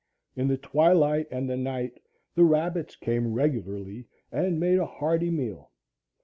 In the twilight and the night the rabbits came regularly and made a hearty meal.